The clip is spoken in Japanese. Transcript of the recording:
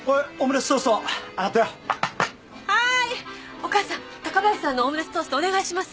お母さん高林さんのオムレツトーストお願いします。